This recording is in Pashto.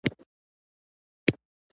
د وخت ارزښت باید درک کړو.